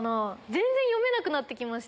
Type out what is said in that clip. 全然読めなくなってきました。